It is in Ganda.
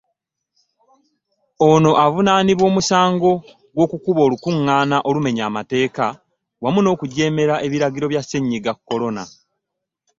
Ono avunaanibwa omusango gw’okukuba olukuŋŋaana olumenya amateeka wamu n’okujeemera ebiragiro bya Ssennyiga Corona.